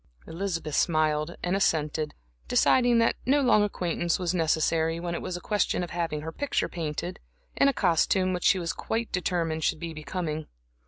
Elizabeth smiled and assented, deciding that no long acquaintance was necessary, when it was a question of having her picture painted, in a costume which she was quite determined should be becoming.